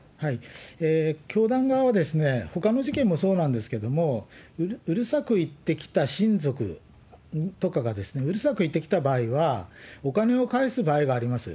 教団側は、ほかの事件もそうなんですけれども、うるさく言ってきた親族とかが、うるさく言ってきた場合は、お金を返す場合があります。